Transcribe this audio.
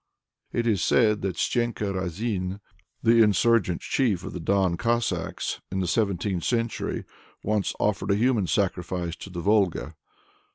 It is said that Stenka Razin, the insurgent chief of the Don Cossacks in the seventeenth century, once offered a human sacrifice to the Volga.